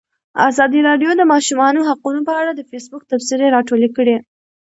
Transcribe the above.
ازادي راډیو د د ماشومانو حقونه په اړه د فیسبوک تبصرې راټولې کړي.